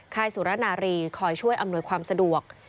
สุรนารีคอยช่วยอำนวยความสะดวก